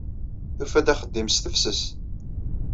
Tufa-d axeddim s tefses.